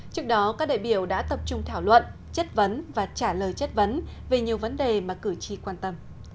trước đó các đại biểu đã tập trung thảo luận chất vấn và trả lời chất vấn về nhiều vấn đề mà cử tri quan tâm